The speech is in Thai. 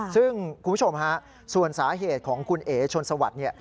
ซึ่งคุณผู้ชมฮะส่วนสาเหตุของคุณเอ๋ชนสวัสดิ์เนี่ย